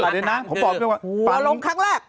หัวลงครั้งแรก